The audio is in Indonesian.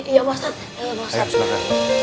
iya pak ustadz